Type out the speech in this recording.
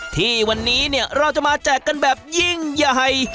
ที่วันนี้เนี่ยเราจะมาแจกกันแบบยิ่งใหญ่